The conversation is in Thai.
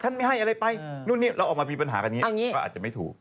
นู่นนี่เราออกมามีปัญหากันอย่างนี้ก็อาจจะไม่ถูก